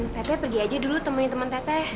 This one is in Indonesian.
tete pergi aja dulu temenin temen teteh